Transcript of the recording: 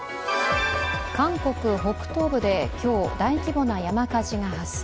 韓国北東部で今日、大規模な山火事が発生。